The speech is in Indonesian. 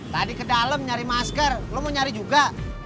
tadi ke dalam nyari masker lo mau nyari juga